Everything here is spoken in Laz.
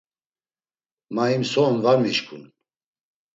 Ma him so on var mişǩun.